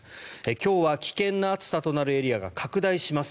今日は危険な暑さとなるエリアが拡大します。